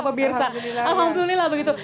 pak birsa alhamdulillah begitu